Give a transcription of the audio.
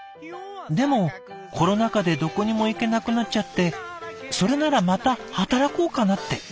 でもコロナ禍でどこにも行けなくなっちゃってそれならまた働こうかなって。